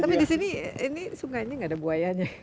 tapi di sini ini sungainya nggak ada buayanya